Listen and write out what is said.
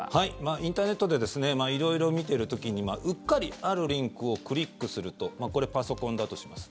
インターネットで色々見ている時にうっかりあるリンクをクリックするとこれ、パソコンだとします。